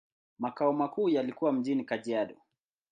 Makao makuu yalikuwa mjini Kajiado.